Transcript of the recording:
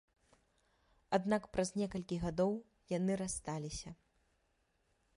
Аднак праз некалькі гадоў яны рассталіся.